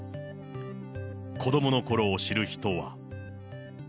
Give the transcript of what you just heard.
子どものころを知る人は。